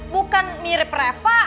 bukan mirip reva